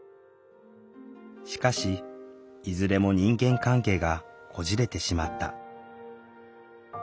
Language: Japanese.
しかしいずれも人間関係がこじれてしまった。